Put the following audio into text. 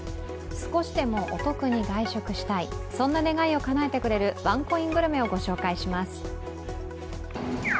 少しでもお得に外食したい、そんな願いをかなえてくれるワンコイングルメをご紹介します。